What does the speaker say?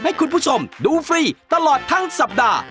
ให้คุณผู้ชมดูฟรีตลอดทั้งสัปดาห์